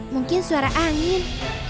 mungkin suara angin